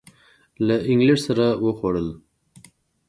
له اینګلینډ سره وخوړل.